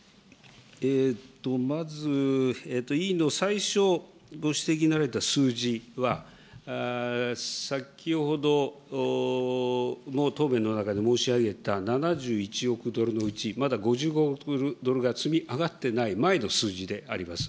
まず、委員の最初、ご指摘になられた数字は、先ほども答弁の中で申し上げた７１億ドルのうち、まだ５５億ドルが積み上がってない前の数字であります。